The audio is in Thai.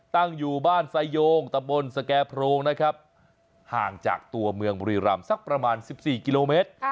ตั้งอยู่บ้านไซโยงตะบนสแก่โพรงนะครับห่างจากตัวเมืองบุรีรำสักประมาณ๑๔กิโลเมตร